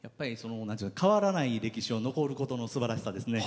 変わらない歴史残ることのすばらしさですね。